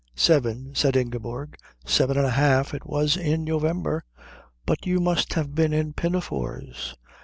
"Seven," said Ingeborg. "Seven and a half. It was in November." "But you must have been in pinafores."